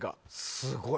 すごい！